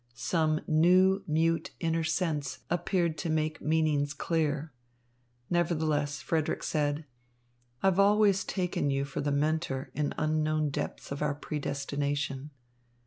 Some new, mute inner sense appeared to make meanings clear. Nevertheless, Frederick said: "I've always taken you for the mentor in unknown depths of our predestination."